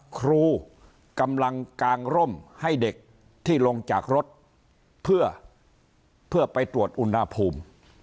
ครูกำลังกางร่มให้เด็กที่ลงจากรถเพื่อไปตรวจอุณหภูมิ